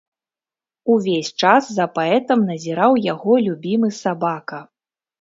Увесь час за паэтам назіраў яго любімы сабака.